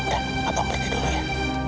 dan apa berbeda dulu ya